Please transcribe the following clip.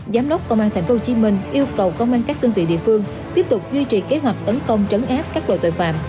giám đốc công an tp hcm yêu cầu công an các đơn vị địa phương tiếp tục duy trì kế hoạch tấn công trấn áp các loại tội phạm